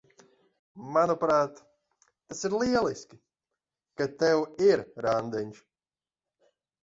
Manuprāt, tas ir lieliski, ka tev ir randiņš.